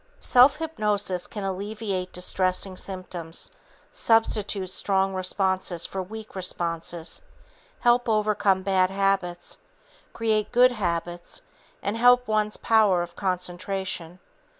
Self hypnosis can alleviate distressing symptoms, substitute strong responses for weak responses, help overcome bad habits, create good habits and help one's power of concentration.